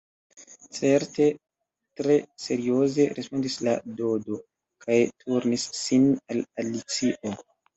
"Certe," tre serioze respondis la Dodo, kaj turnis sin al Alicio.